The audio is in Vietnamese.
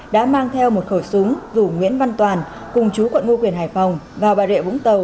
đã mang theo một khẩu súng dù nguyễn văn toàn cùng chú quận ngo quyền hải phòng và bà rịa vũng tàu